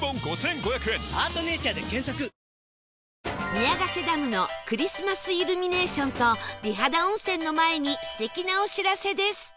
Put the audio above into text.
宮ヶ瀬ダムのクリスマスイルミネーションと美肌温泉の前に素敵なお知らせです